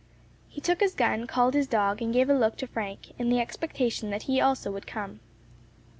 He took his gun, called his dog, and gave a look to Frank, in the expectation that he also would come.